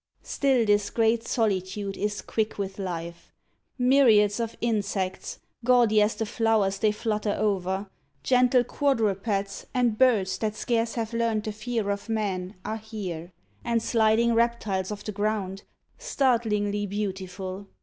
Still this great solitude is quick with life. Myriads of insects, gaudy as the flowers They flutter over, gentle quadrupeds, And birds, that scarce have learned the fear of man, Are here, and sliding reptiles of the ground, Startlingly beautiful.